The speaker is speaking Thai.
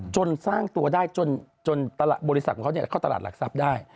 จนสร้างตัวได้จนบริษัทของเขาเข้าตลาดหลักทรัพย์ได้